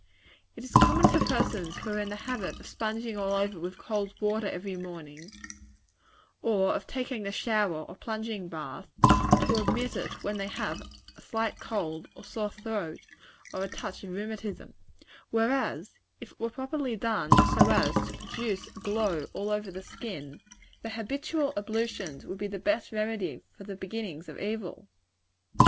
"It is common for persons who are in the habit of sponging over with cold water every morning, or of taking the shower or plunging bath, to omit it when they have a slight cold, or sore throat, or a touch of rheumatism; whereas, if it were properly done so as to produce a glow all over the skin, their habitual ablutions would be the best remedy for the beginnings of evil.